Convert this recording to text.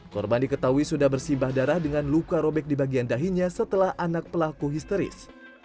korban diketahui sudah bersibah darah dengan luka robek di bagian dahinya setelah anak pelaku histeris